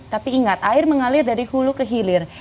tapi ingat air mengalir dari hulu ke hilir